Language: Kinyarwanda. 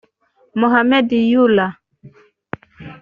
Mohamed Youla